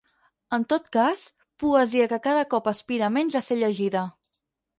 En tot cas, poesia que cada cop aspira menys a ser llegida.